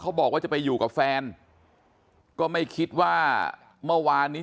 บอกว่าจะไปอยู่กับแฟนก็ไม่คิดว่าเมื่อวานนี้